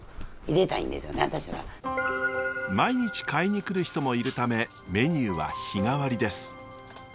毎日買いに来る人もいるためメニューは日替わりです。